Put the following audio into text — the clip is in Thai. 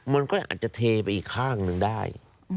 มันก็อาจจะเทไปอีกข้างหนึ่งได้